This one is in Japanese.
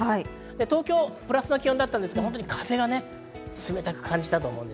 東京はプラスの気温だったんですけれども風が冷たく感じられたと思うんです。